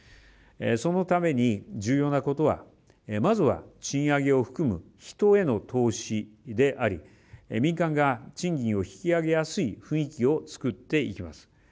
そのため重要なことはまずは賃上げを含む人への投資であり民間が賃金を引き上げやすい雰囲気をつくっていきます。